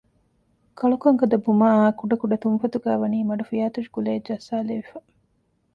ކަޅުކަން ގަދަ ބުމައާއި ކުޑަ ކުޑަ ތުންފަތުގައި ވަނީ މަޑު ފިޔާތޮށި ކުލައެއް ޖައްސާލެވިފަ